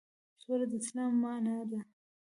سوله د اسلام معنی ده